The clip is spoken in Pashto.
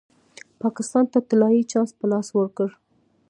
پاکستان ته طلايي چانس په لاس ورکړ.